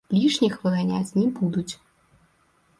Лішніх выганяць не будуць.